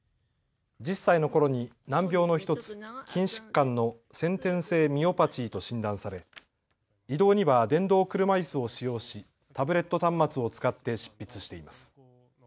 １０歳のころに難病の１つ、筋疾患の先天性ミオパチーと診断され移動には電動車いすを使用しタブレット端末を使って執筆しています。